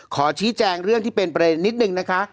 ขอชี้แจงเรื่องที่เป็นประเด็นนิดนึงนะคะ